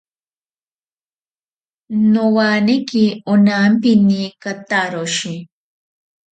Nowaneki onampini kataroshi.